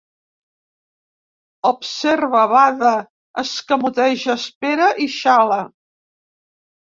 Observa, bada, escamoteja, espera i xala.